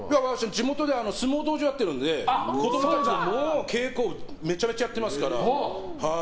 地元では相撲道場やってるので子供たちに稽古めちゃめちゃやってますから。